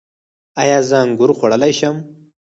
ایا زه انګور خوړلی شم؟